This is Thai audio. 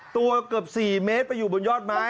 เกือบ๔เมตรไปอยู่บนยอดไม้